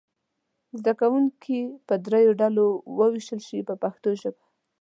زده کوونکي به دریو ډلو وویشل شي په پښتو ژبه.